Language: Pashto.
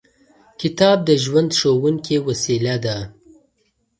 کتاب د ژوند ښوونکې وسیله ده.